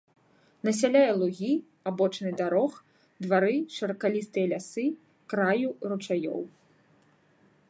Насяляе лугі, абочыны дарог, двары, шыракалістыя лясы, краю ручаёў.